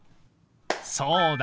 そうだ！